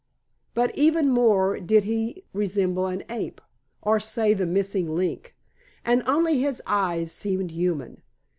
But even more did he resemble an ape or say the missing link and only his eyes seemed human.